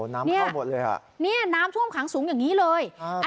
น้ำเข้าหมดเลยอ่ะเนี่ยน้ำท่วมขังสูงอย่างนี้เลย